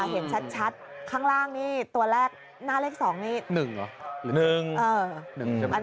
เห็นชัดข้างล่างนี่ตัวแรกหน้าเลข๒นี่๑เหรอ